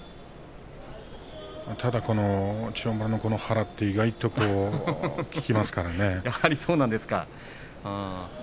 ただ千代丸の腹って意外と効きますからね。